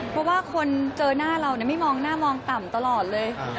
เพราะว่าคนเจอหน้าเราไม่มองหน้ามองต่ำตลอดเลย